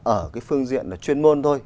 ở cái phương diện là chuyên môn thôi